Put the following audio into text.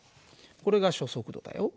これが初速度だよ。